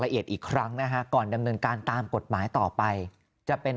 ละเอียดอีกครั้งนะฮะก่อนดำเนินการตามกฎหมายต่อไปจะเป็น